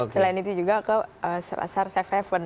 selain itu juga ke pasar safe haven